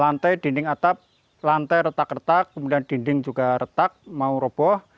lantai dinding atap lantai retak retak kemudian dinding juga retak mau roboh